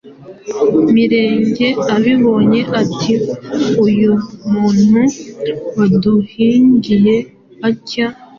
Mirenge abibonye ati “Uyu muntu waduhingiye atya,